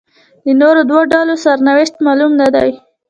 د نورو دوو ډلو سرنوشت معلوم نه دی.